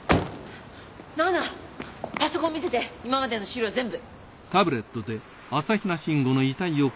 ナナパソコン見せて今までの資料全部。